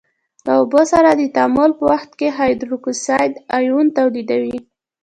له اوبو سره د تعامل په وخت کې هایدروکساید آیون تولیدوي.